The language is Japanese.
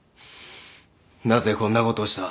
なぜこんなことをした。